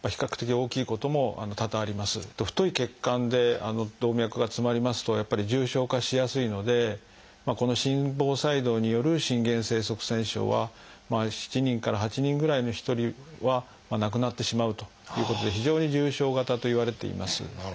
太い血管で動脈が詰まりますとやっぱり重症化しやすいのでこの心房細動による心原性脳塞栓症は７人から８人ぐらいに１人は亡くなってしまうということで非常に重症型といわれています。